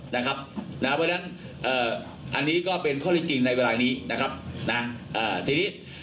เพราะฉะนั้นอันนี้ก็เป็นข้อจริงในเวลานี้